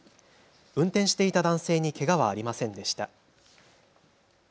運転していた男性にけがはありませんでした。